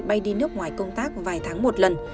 bay đi nước ngoài công tác vài tháng một lần